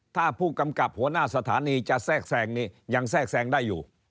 ถ้าผู้กำกับหัวหน้าสถานีจะแทรกแทรงนี้ยังแทรกแทรงได้อยู่